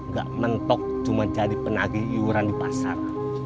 gak mentok cuma jadi penagi iuran di pasar